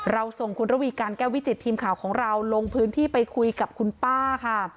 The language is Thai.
ส่งคุณระวีการแก้ววิจิตทีมข่าวของเราลงพื้นที่ไปคุยกับคุณป้าค่ะ